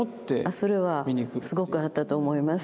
それはすごくあったと思います。